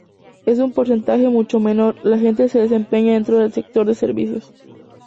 En un porcentaje mucho menor, la gente se desempeña dentro del sector de servicios.